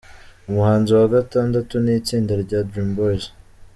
Umuhanzi wa Gatandatu ni itsinda rya Dream Boys.